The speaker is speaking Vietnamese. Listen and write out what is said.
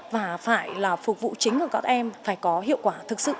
và phải là phục vụ chính của các em phải có hiệu quả thực sự